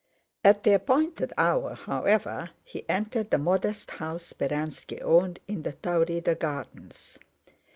At the appointed hour, however, he entered the modest house Speránski owned in the Taurida Gardens.